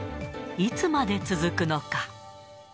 いつまで続くのか。